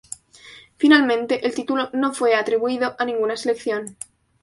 Finalmente, el título no fue atribuido a ninguna selección.